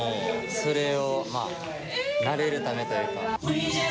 それをまぁ慣れるためというか。